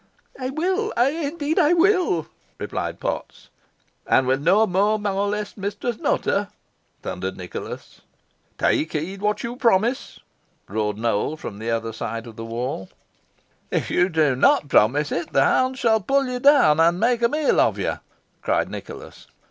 "I will indeed I will!" replied Potts. "And will no more molest Mistress Nutter?" thundered Nicholas. "Take heed what you promise," roared Nowell from the other side of the wall. "If you do not promise it, the hounds shall pull you down, and make a meal of you!" cried Nicholas.